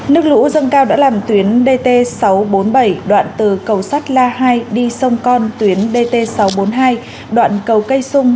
nước lũ dâng cao đã làm tuyến dt sáu trăm bốn mươi bảy đoạn từ cầu sắt la hai đi sông con tuyến dt sáu trăm bốn mươi hai đoạn cầu cây xung